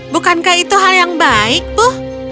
bukankah itu hal yang baik bu